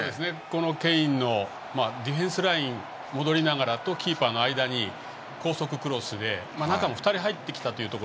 このケインのディフェンスライン戻りながらと、キーパーの間に高速クロスで中に２人入ってきていたと。